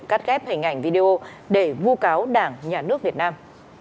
cắt ghép hình ảnh video để vu cáo đảng nhà nước việt nam